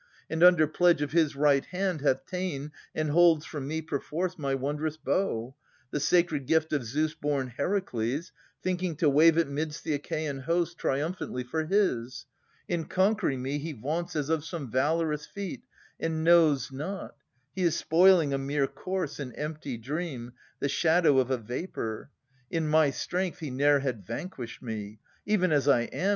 And under pledge of his right hand hath ta'en And holds from me perforce my wondrous bow. The sacred gift of Zeus born Heracles, Thinking to wave it midst the Achaean host Triumphantly for his. In conquering me He vaunts as of some valorous feat, and knows not He is spoiling a mere corse, an empty dream, The shadow of a vapour. In my strength He ne'er had vanquished me. Even as I am.